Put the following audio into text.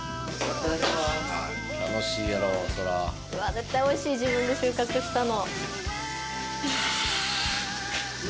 絶対おいしい自分で収穫したの。